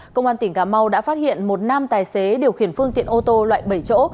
công an tỉnh cà mau đã phát hiện một nam tài xế điều khiển phương tiện ô tô loại bảy chỗ